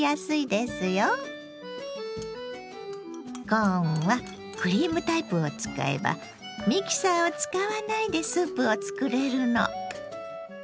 コーンはクリームタイプを使えばミキサーを使わないでスープを作れるの。